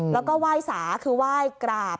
แล้วก็ว่ายสาคือว่ายกราบ